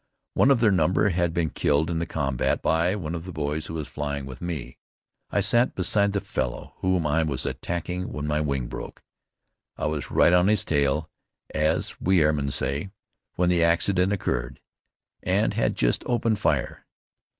One of their number had been killed in the combat by one of the boys who was flying with me. I sat beside the fellow whom I was attacking when my wing broke. I was right "on his tail," as we airmen say, when the accident occurred, and had just opened fire.